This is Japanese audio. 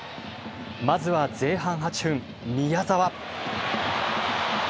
まずは前半８分、宮澤。